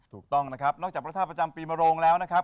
ถูกต้องนะครับนอกจากพระธาตุประจำปีมโรงแล้วนะครับ